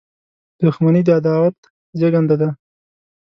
• دښمني د عداوت زیږنده ده.